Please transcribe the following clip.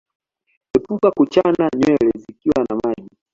Epuka kuchana nywele zikiwa na maji